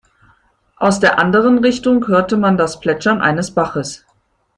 Aus der anderen Richtung hörte man das Plätschern eines Baches.